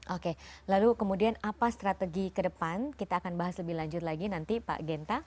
oke lalu kemudian apa strategi ke depan kita akan bahas lebih lanjut lagi nanti pak genta